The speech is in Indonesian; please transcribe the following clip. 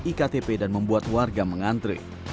iktp dan membuat warga mengantre